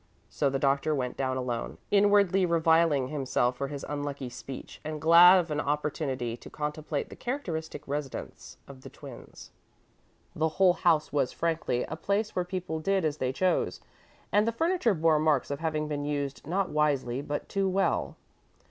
So the Doctor went down alone, inwardly reviling himself for his unlucky speech, and glad of an opportunity to contemplate the characteristic residence of the twins. The whole house was, frankly, a place where people did as they chose, and the furniture bore marks of having been used not wisely, but too well.